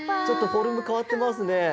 ちょっとフォルムかわってますね。